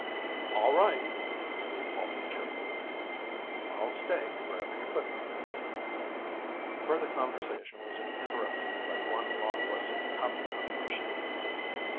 "All right," agreed Walter cheerfully. "I'll stay wherever you put me." Further conversation was interrupted by one long whistle coming from the machine.